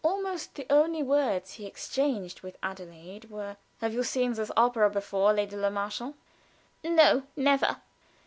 Almost the only words he exchanged with Adelaide were: "Have you seen this opera before, Lady Le Marchant?" "No; never."